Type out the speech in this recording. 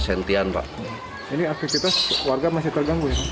ini aktivitas warga masih terganggu